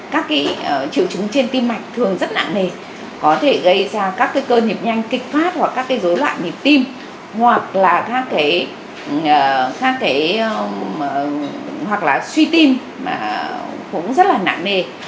chịu trúng trên tim mạch thường rất nặng nề có thể gây ra các cơ nhịp nhanh kịch phát hoặc các dối loạn nhịp tim hoặc là suy tim cũng rất là nặng nề